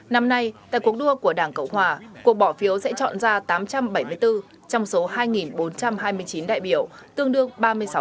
năm nay tại cuộc đua của đảng cộng hòa cuộc bỏ phiếu sẽ chọn ra tám trăm bảy mươi bốn trong số hai bốn trăm hai mươi chín đại biểu tương đương ba mươi sáu